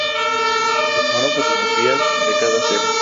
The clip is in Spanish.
Se tomaron fotografías de cada ser.